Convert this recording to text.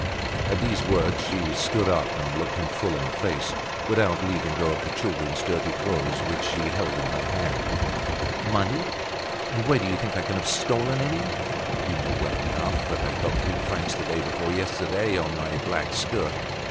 At these words she stood up and looked him full in the face, without leaving go of the children's dirty clothes, which she held in her hand. "Money! And where do you think I can have stolen any? You know well enough that I got three francs the day before yesterday on my black skirt.